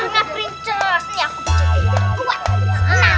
nah ini aja deh